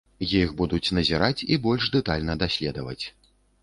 Іх будуць назіраць і больш дэтальна даследаваць.